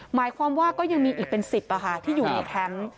หมายความว่าก็ยังมีอีกเป็น๑๐ที่อยู่ในแคมป์